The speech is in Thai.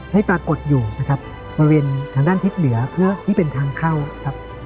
ให้ปรากฏอยู่นะครับบริเวณทางด้านทิศเหนือเพื่อที่เป็นทางเข้าครับ